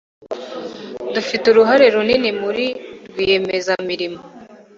Dufite uruhare runini muri rwiyemezamirimo.